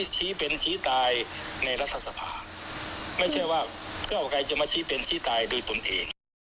ชี้เป็นชี้ตายรัสตริยษฐาสภาไม่ยังว่าจะมาชี้เป็นชี้ตายด้วยตนเอง